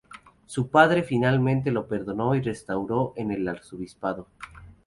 Su padre finalmente lo perdonó y restauró en el arzobispado.